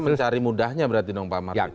mencari mudahnya berarti dong pak martin